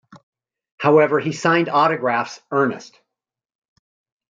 However he signed autographs Ernest.